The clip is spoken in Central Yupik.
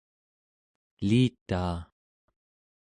elitaa